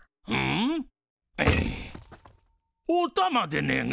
おたまでねえが！